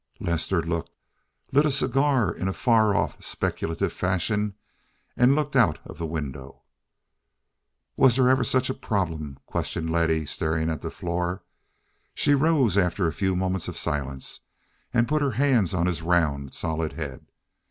Lester looked, lit a cigar in a far off, speculative fashion, and looked out of the window. "Was there ever such a problem?" questioned Letty, staring at the floor. She rose, after a few moments of silence, and put her hands on his round, solid head.